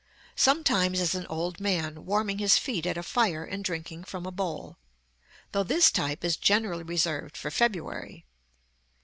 Sometimes as an old man, warming his feet at a fire, and drinking from a bowl; though this type is generally reserved for February.